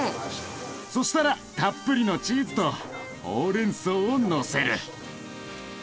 そしたらたっぷりのチーズとホウレンソウをのせる。